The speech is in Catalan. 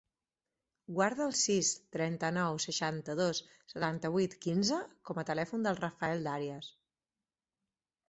Guarda el sis, trenta-nou, seixanta-dos, setanta-vuit, quinze com a telèfon del Rafael Darias.